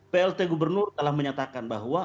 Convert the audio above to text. plt gubernur telah menyatakan bahwa